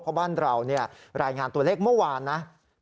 เพราะบ้านเรารายงานตัวเลขเมื่อวานนะ